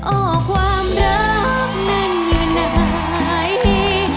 โอ้ความรักนั้นอยู่ในใบ